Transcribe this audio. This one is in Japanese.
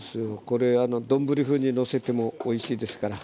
これ丼風にのせてもおいしいですから。